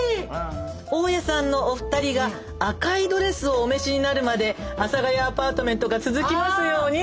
「大家さんのお二人が赤いドレスをお召しになるまで阿佐ヶ谷アパートメントが続きますように」ですって。